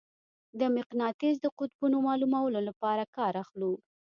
د مقناطیس د قطبونو معلومولو لپاره کار اخلو.